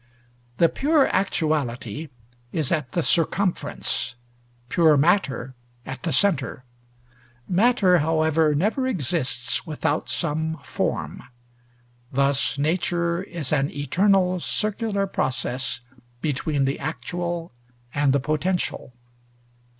The pure actuality is at the circumference, pure matter at the centre. Matter, however, never exists without some form. Thus, nature is an eternal circular process between the actual and the potential.